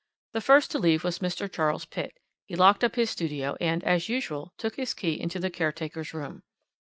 The first to leave was Mr. Charles Pitt; he locked up his studio and, as usual, took his key into the caretaker's room.